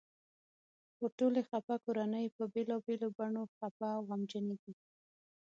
خو ټولې خپه کورنۍ په بېلابېلو بڼو خپه او غمجنې دي.